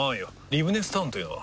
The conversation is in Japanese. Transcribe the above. リブネスタウンというのは？